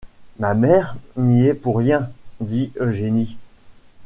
Ma mère n’y est pour rien, dit Eugénie.